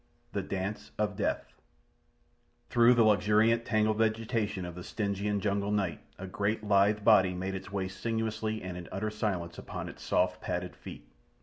The Dance of Death Through the luxuriant, tangled vegetation of the Stygian jungle night a great lithe body made its way sinuously and in utter silence upon its soft padded feet.